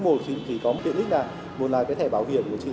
một là cái thẻ bảo hiểm của chị